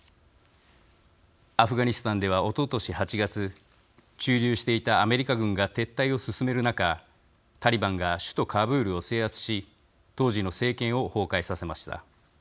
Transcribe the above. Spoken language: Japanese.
アフガニスタンではおととし８月駐留していたアメリカ軍が撤退を進める中タリバンが首都カブールを制圧し当時の政権を崩壊させました。